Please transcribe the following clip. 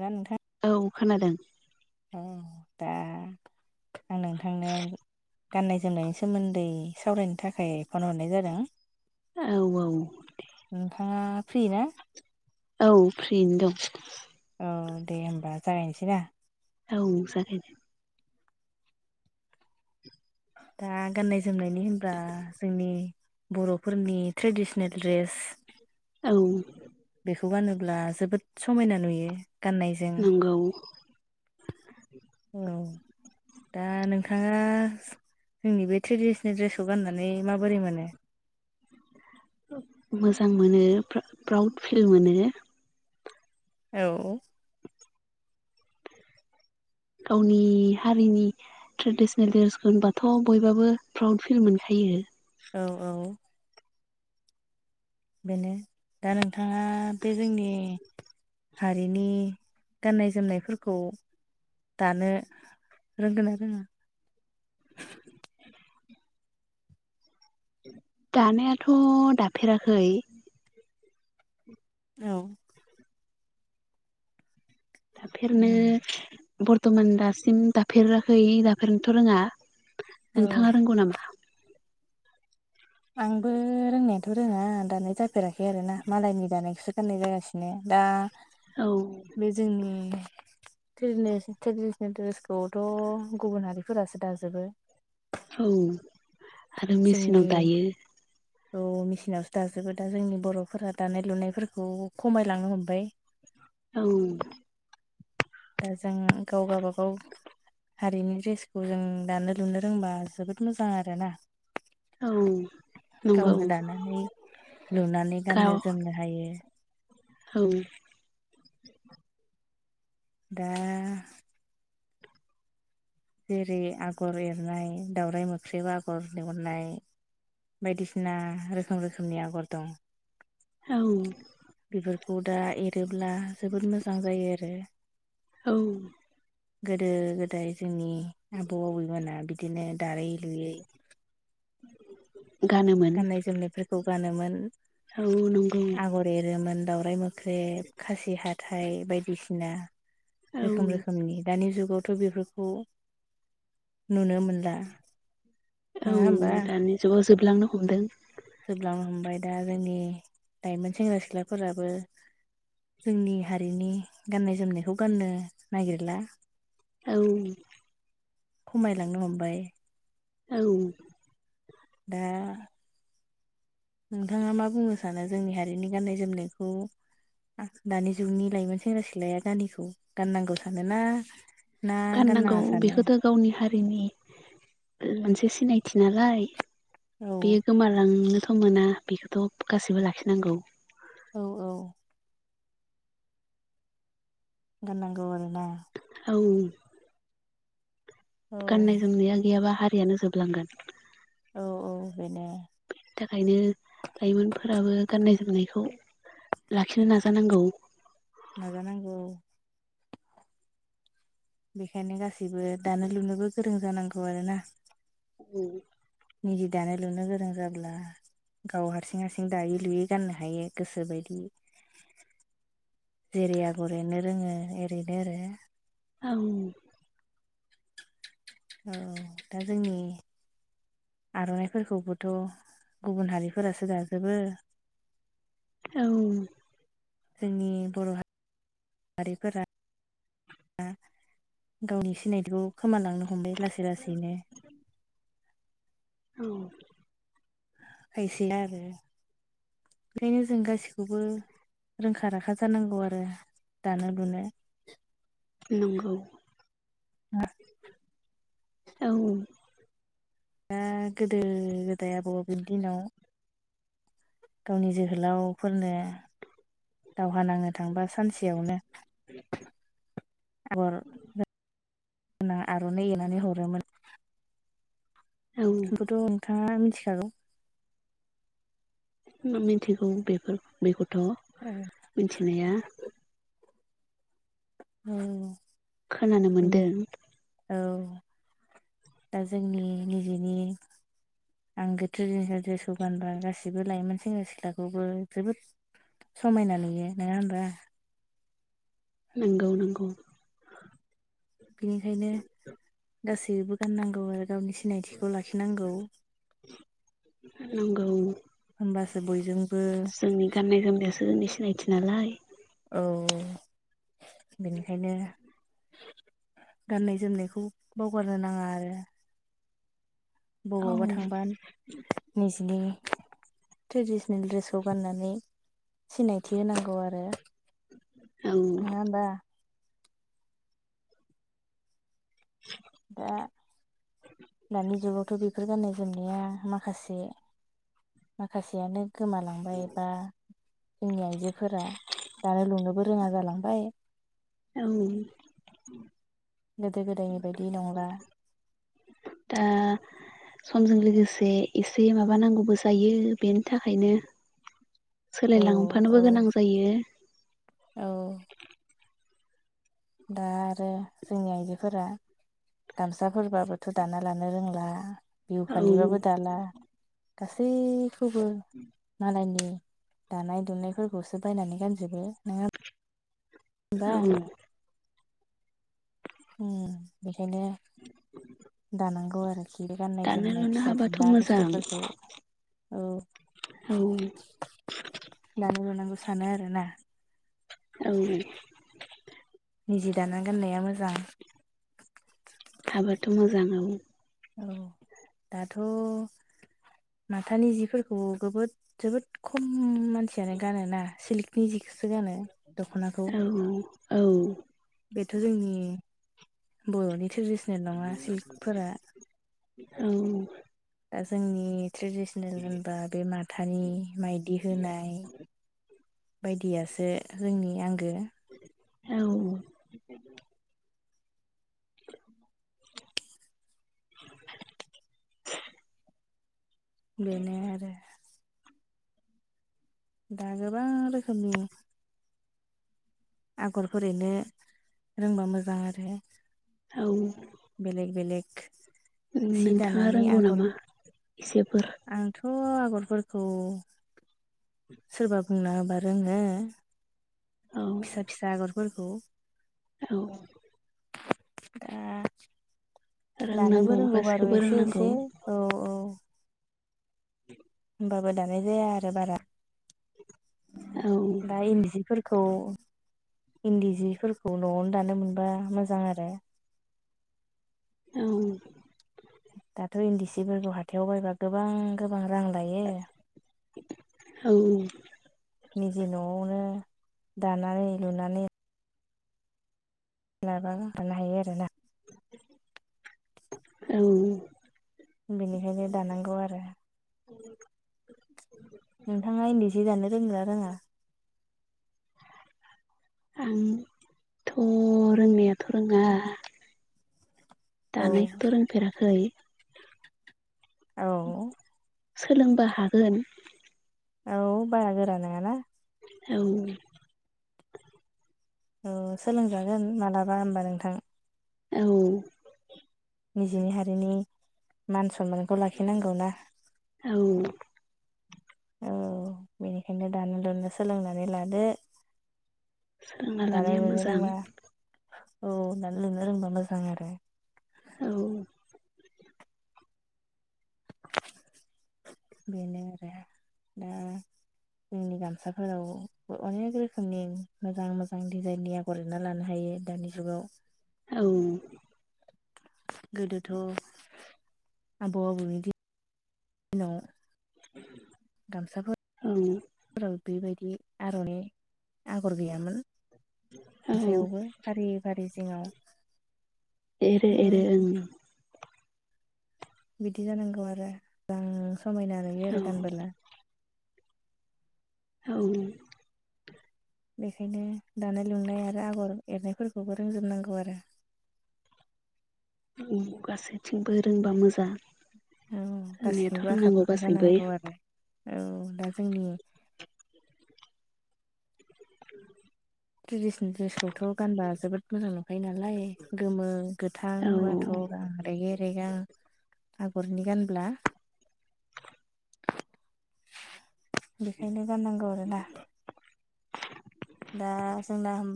नोंथां औ खोनादों औ दा आं नोंथांनो गाननाय जोमनायनि सोमोन्दै सावरायनो थाखाय फन हरनाय जादों औ औ दे नोंथाङा फ्रि ना औ फ्रियैनो दं औ दे होमबा जागायनोसै ना औ जागायदो दा गाननाय जोमनायनि होनब्ला जोंनि बर'फोरनि ट्रेडिसनेल द्रेस औ बेखौ गानोब्ला जोबोद समायना नुयो गाननायजों नंगौ औ दा नोंथाङा जोंनि बे ट्रेडिसनेल दड्रेसखौ गाननानै माबोरै मोनो? मोजां मोनो फ्रा-फ्राउड फिल मोनो। औ गावनि हारिनि ट्रेडिसनेल द्रेसखौ होनबाथ' बयबाबो प्राउड फिल मोनखायो। [inaudible] औ औ बेनो दा नोंथाङा बे जोंनि हारिनि गाननाय जोमनायफोरखौ दानो रोंगोन ना रोङा? [inaudible] दानायाथ' दाफेराखै औ दाफेरनो बर्थ'मान दासिम दाफेराखै दाफेरनोथ' रोङा। औ नोंथाङा रोंगौ नामा? आंबो रोंनायाथ' रोङा दानाय जाफेराखै आरोना मालायनि दानायखौसो गाननाय जागासिनो दा औ बे जोंनि ट्रेनि-ट्रेडिसनेल ड्रेसखौथ' गुबुन हारिफोरासो दाजोबो औ आरो मेचिनाव दायो औ मेचिनावसो दाजोबो दा जोंनि बर'फोरा दानाय लुनायफोरखौ खमायलांनो हमबाय औ नंगौ दा जों गावगा बागाव हारिनि ड्रेसखौ जों दानो लुनो रोंबा जोबोद मोजां आरोना औ नंगौ गावनो दानानै लुनानै गाव गाननो जोमनो हायो। औ दा जेरै आगर एरनाय दावउराइ मोख्रेब आगर एहरनाय बायदिसिना रोखोम रोखोमनि आगर दं औ खौ दा एरोब्ला जोबोद मोजां जायो आरो औ गोदो गोदाय जोंनि आबौ आबैमोनहा बिदिनो दारै लुयै गानोमोन गाननाय जोमनायफोरखौ गानोमोन। औ नंगौ आगर एरोमोन दावराइ मोख्रेब खासि हाथाय बायदिसिना औ रोखोम रोखोमनि दानि जुगाव थ' बेफोरखौ नुनो मोनला। नङा होमबा औ दानि जुगाव जोबलांनो हमदों। जोबलांनो हमबाय दा जोंनि लाइमोन सेंग्रा सिख्लाफोराबो जोंनि हारिनि गाननाय जोमनायखौ गाननो नागिरला। औ खमायलांनो हमबाय औ दा नोंथाङा मा बुंनो सानो जोंनि हारिनि गान्नाय जोमनायखौ दानि जुगनि लाइमोन सेंग्रा सिख्लाया गामखौ गाननांगौ सानोना गाननांगौ बेखौथ' गावनि हारिनि मोनसे सिनायथि नालाय औ बेयो गोमालांनो थाखाय मोना बेखौथ' गाससिबो लाखिनांगौ। औ औ ग नांगल न औ औ गाननाय जोमनाया गैयाबा हारियानो जोबलांगोन। औ औ बिनो बि थाखायनो लाइमोनफोराबो गाननाय जोमनायखौ लाखिनो नाजानांगौ। नाजानांगौ बेखायनो गासैबो दानो लुनोबो गोरों जानांगौ आरोना। उम निजि दानाय लुनो गोरों जाब्ला गाव हारसिं हारसिं दायै लुयै गाननो हायो गोसो बायदि जिरै आगर एरनो रोङो एओरैनो आरो औ औ दा जोंनि आर'नाइफोरखौबोथ' गुबुन हारिफोरासो दाजोबो। औ जोंनि बर' हारिारिफोरा गावनि सिनायथिखौ खोमालांनो हमबाय लासै लासैनो औ खायसे आरो ओखायनो जों गासिखौबो रोंखा राखा जानांगौ आरो दानो लुनो। नंगौ औ दा गोदो गोदाय आब' बिनि दिनाव गावनि जोहोलावफोरनो दावहा नांनो थांबा सानसेयावनो आगर ग आर'नाइ एनानै हरोमोन। आखौथ' नोंथाङा मिथिखागौ। मिथिगौ बेफोर बेखौथ' मिथिनाया ओ खोनानो मोन्दों। दा जोंनि निजेनि आंगो ट्रेडिनेसेल जेस' गानबा गासिबो लायोमोन सेंग्रा सिख्लाखौबो जोबोद समायना नुयो नोङा होनबा नंगौ नंगौ बिनिखायनो गासैबो गाननांगौ आरो गावनि सिनायथिखौ लाखिनांगौ नंगौ होनबासो बयजोंबो गोसोनि सिनायथि नालाय औ बेनिखायनो गाननाय जोमनायखौ बावगारनो नाङा आरो औ बबावबा थांबा निजिनि ट्रेडिसन सनेल दड्रेसखौ गाननानै सिनायथि होनांगौ आरो औ नोङो ओमबा दा दानि जुगावथ' बेफोर गाननाय जोमनाया माखासे माखासेयानो गोमालांबाय बा जोंनि आइजोफोरा दानो लुनोबो रोङा जालांबाय औ गोदो गोदायनि बायदि नंला दा समजों लोगोसे एसे माबा नांगौबो जायो बेनि थाखायनो औ औ सोलायलांफानोबो गोनां जायो औ दा आरो जोंनि आइजोफोरा गामसाफोरबाबोथ' दाना लानो रोंला बिहु औ फालिबाबो दाला गासैखौबो मालायनि दानाय दुनायफोरखौसो बायनानै गानजोबो नोङो औ ओम बेखायनो दानांगौ आरो आरो गाननाय दानो जोमनाय लुनो फिसा हाबाथ' फिनला मोजां बुस्थुफोरखौ औ औ दानो लुनांगौ सानो आरो ना औ जि दाना गाननाया मोजां हाबाथ' मोजां औ औ दाथ' माथानि जिफोरखौ जोबोद जोबोद खम मानसियानो गानो ना सिल्कनि जिखौसो गानो दख'नाखौ औ औ बेथ' जोंनि बर'नि ट्रेडिसनेल नङा सिल्कफोरा औ दा जोंनि ट्रेडिसनेल होनबा बे माथानि माइदि होनाय बायदियासो जोंनि आंगो औ बेनो आरो दा गोबां रोखोमनि आगरफोर एरनो रोंबा मोजां आरो औ बेलेग बेलेग सि नोंथाङा दानानै रोंगौ आगर नामा एसेफोर आंथ' थ' आगरफोरखौ सोरबा बुंना‌ होबा रोङो औ फिसा फिसा आगरफोरखौ औ दा रोंनांगौ दानोबो रोंगौ बारु गासिखौबो एसे रोंनांगौ एसे औ औ [inaudible] होमबाबो दानाय जाया आरो बारा औ दा इन्दि जिफोरखौ इन्दि जिफोरखौ न'वावनो दानो मोनबा मोजां आरो औ दाथ' इन्दि जिफोरखौ हाथाइयाव बायबा गोबां गोबां गोबां रां लायो औ निजे न'आवनो दानानै लुनानै लाबा गंनो [unintelligible] हायो आरोना औ बेनिखायनो दानांगौ आरो नोंथाङा इन्दि सि दानो रोंगोना रोङा [inaudible] आंथ' रोंनायाथ' रोङा औ दानायखौथ' रोंफेराखै औ सोलोंबा हागोन औ बारा गोरा नङाना औ औ सोलोंजागोन मालाबा होमबा नोंथां औ निजिनि हारिनि मान सनमानखौ लाखिनांगौ ना औ औ बेनिखायनो दानो लुनो सोलोंनानै लादो सोलोंना दानो लानाया लुनो मोजां रोंबा औ दानो लुनो रोंबा मोजां आरो औ बेनो आरो ओ जोंनि गामसाफोराव अनेक रोखोमनि मोजां मोजां डिजाइननि आगर एरना लानो हायो बे दानि जुगाव औ गोदोथ' आबौ आबैनि दिन नाव [inaudible] गामसाफोर औ फोराव बेबायदि आर'नाइ आगर गैयामोन औ गामसायावबो फारि फारि जिङाव एरै एरै ओं बिदि जानांगौ आरो गोजां समायना नुयो आरो ओं गानबोला औ बेखायनो दानाय लुनाय आरो आगर एरनायफोरखौबो रोंजोबनांगौ आरो गासैथिंबो रोंबा मोजां औ रोंनायाथ' गासैनिबो आखा रोंनांगौ फाखा गासैबो जानांगौ आरो औ दा जोंनि ट्रेडिसनेल ड्रेसखौथ' गानबा जबोद मोजां नुयो यो नालाय गोमो गोथां बाथ' औ आ रेगे रेगां आगरनि गानब्ला बेखायनो गाननांगौ आरोना दा जोंना ओम